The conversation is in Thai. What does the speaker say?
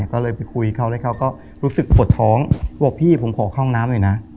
ก็เลยไปคุยเขาแล้วเขาก็รู้สึกปวดท้องบอกพี่ผมขอเข้าน้ำหน่อยนะ